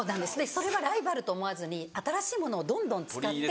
それはライバルと思わずに新しいものをどんどん使って。